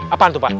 apaan tuh pak